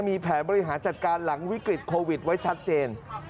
มีแผนบริหารจัดการหลังวิกฤตโควิดไว้ชัดเจน